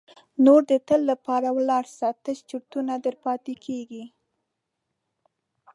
نور د تل لپاره ولاړ سي تش چرتونه در پاتیږي.